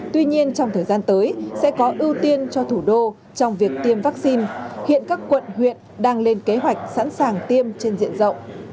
tuy nhiên trong thời gian tới sẽ có ưu tiên cho thủ đô trong việc tiêm vaccine hiện các quận huyện đang lên kế hoạch sẵn sàng tiêm trên diện rộng